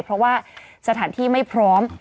เพราะว่าสถานที่ไม่พร้อม